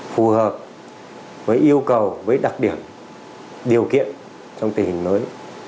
phù hợp với yêu cầu với đặc điểm điều kiện trong tình hình mới